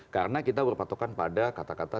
karena kita berpatokan pada kata kata